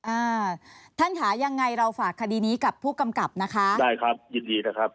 อ่าท่านค่ะยังไงเราฝากคดีนี้กับผู้กำกับนะคะได้ครับยินดีนะครับ